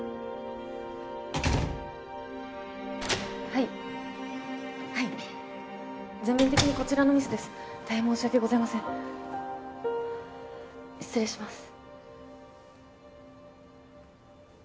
はいはい全面的にこちらのミスです大変申し訳ございません失礼します